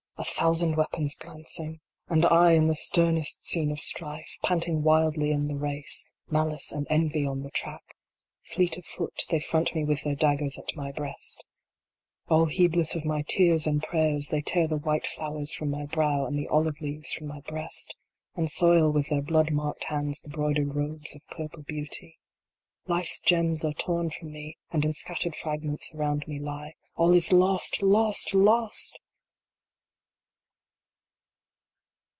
A thousand weapons glancing 1 And I in the sternest scene of strife. Panting wildly in the race. Malice and Envy on the track. Fleet of foot, they front me with their daggers at my breast 54 INTO THE DEPTHS. All heedless of my tears and prayers, they tear the white flowers from my brow, and the olive leaves from my breast, and soil with their blood marked hands the broid ered robes of purple beauty. Life s gems are torn from me, and in scattered fragments around me lie. All lost lost lost